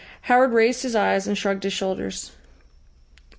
Howard raised his eyes and shrugged his shoulders.